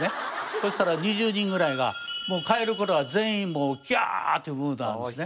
そしたら２０人ぐらいがもう帰る頃は全員「キャー！」と言うムードなんですね。